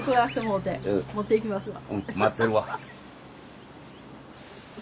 うん待ってるわ。